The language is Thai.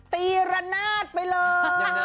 ตีระนาดไปเลย